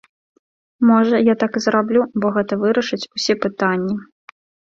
Можа, я так і зраблю, бо гэта вырашыць усе пытанні.